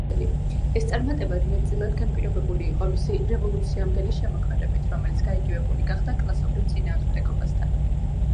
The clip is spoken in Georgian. ეს წარმატება მეტწილად განპირობებული იყო მისი რევოლუციამდელი შემოქმედებით, რომელიც გაიგივებული გახდა კლასობრივ წინააღმდეგობასთან.